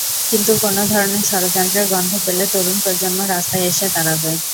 কিন্তু কোনো ধরনের ষড়যন্ত্রের গন্ধ পেলে তরুণ প্রজন্ম রাস্তায় এসে দাঁড়াবে।